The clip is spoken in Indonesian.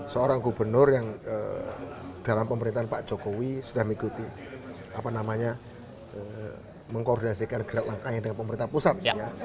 seorang gubernur yang dalam pemerintahan pak jokowi sudah mengikuti apa namanya mengkoordinasikan gerak langkahnya dengan pemerintah pusat